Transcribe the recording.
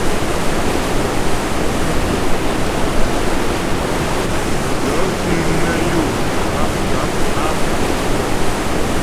Gaə̂ fíŋ nə́ yó bâpbǎp a ?